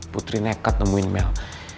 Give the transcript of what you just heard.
putri nekat nemuin mel